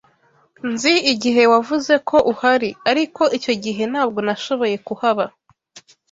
Nzi igihe wavuze ko uhari, ariko icyo gihe ntabwo nashoboye kuhaba.